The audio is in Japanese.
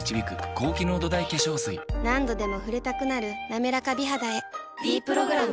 何度でも触れたくなる「なめらか美肌」へ「ｄプログラム」